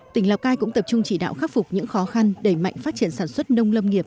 tỉnh lào cai cũng tập trung chỉ đạo khắc phục những khó khăn đẩy mạnh phát triển sản xuất nông lâm nghiệp